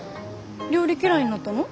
料理嫌いになったの？